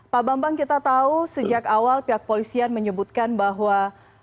pak bambang kita tahu sejak awal pihak polisian menyebutkan bahwa